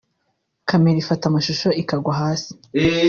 camera ifata amashusho ikagwa hasi